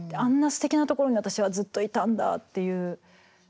すてきなところに私はずっといたんだっていう。